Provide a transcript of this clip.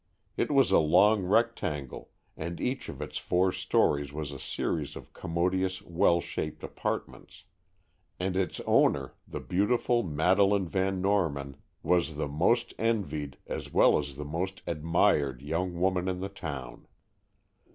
It was a long rectangle, and each of its four stories was a series of commodious, well shaped apartments. And its owner, the beautiful Madeleine Van Norman, was the most envied as well as the most admired young woman in the town.